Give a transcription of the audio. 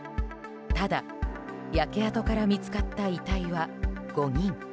ただ、焼け跡から見つかった遺体は５人。